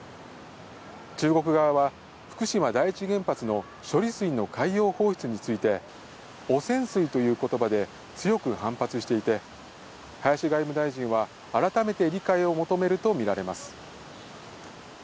中国側は福島第一原発の処理水の海洋放出について、汚染水という言葉で強く反発していて、林外務大臣は改めて理解を求めるとみられます。